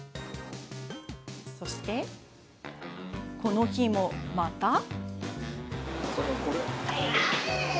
そして、この日もまた。